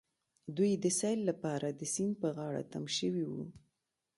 دوی د سيل لپاره د سيند په غاړه تم شوي وو.